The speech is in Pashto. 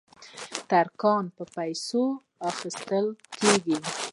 ترکان په پیسو اخیستل کېدل.